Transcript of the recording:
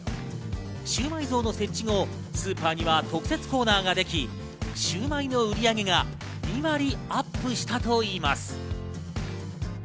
シウマイ像の設置後、スーパーには特設コーナーができ、シウマイの売り上げが２割アップしたといいます。